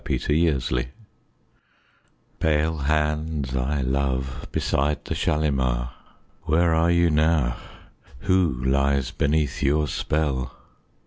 Kashmiri Song Pale hands I love beside the Shalimar, Where are you now? Who lies beneath your spell?